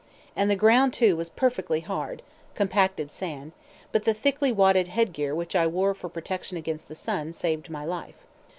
And the ground too was perfectly hard (compacted sand), but the thickly wadded headgear which I wore for protection against the sun saved my life.